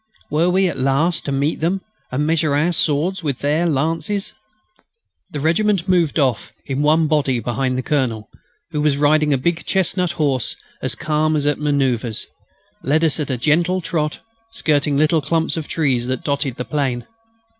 Were we at last to meet them and measure our swords with their lances? The regiment moved off in one body behind the Colonel, who, riding a big chestnut horse and as calm as at manoeuvres, led us at a gentle trot skirting the little clumps of trees that dotted the plain.